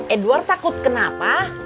edward takut kenapa